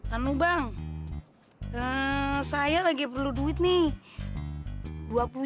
anu bang saya lagi perlu duit nih